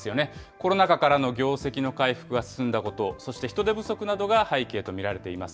コロナ禍からの業績の回復が進んだこと、そして人手不足などが背景と見られています。